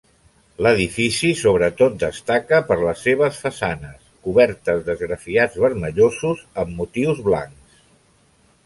L'edifici sobretot destaca per les seves façanes, coberts d'esgrafiats vermellosos amb motius blancs.